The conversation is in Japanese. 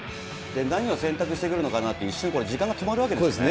何を選択してくるのかなって、一瞬これ、時間が止まるわけですね。